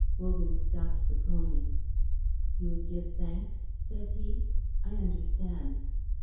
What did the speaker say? Wogan stopped the pony. "You would give thanks?" said he. "I understand."